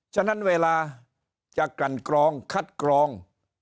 ฉะนั้นเวลาจะกลั่นกรองคัดกรอง